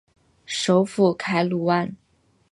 首府凯鲁万。